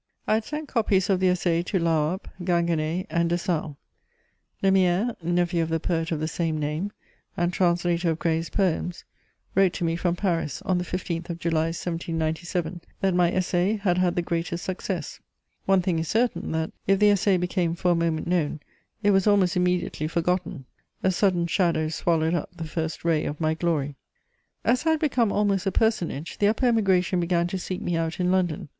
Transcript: I had sent copies of the Essai to La Harpe, Ginguené, and de Sales. Lemierre, nephew of the poet of the same name, and translator of Gray's Poems, wrote to me from Paris, on the 15th of July 1797, that my Essai had had the greatest success. One thing is certain, that, if the Essai became for a moment known, it was almost immediately forgotten: a sudden shadow swallowed up the first ray of my glory. [Sidenote: Mrs. O'Larry.] As I had become almost a personage, the upper Emigration began to seek me out in London.